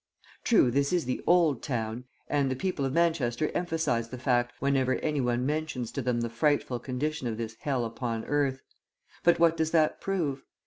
True, this is the Old Town, and the people of Manchester emphasise the fact whenever any one mentions to them the frightful condition of this Hell upon Earth; but what does that prove?